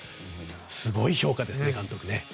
すごい評価ですね、監督。